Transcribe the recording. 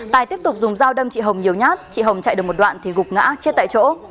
tài tiếp tục dùng dao đâm chị hồng nhiều nhát chị hồng chạy được một đoạn thì gục ngã chết tại chỗ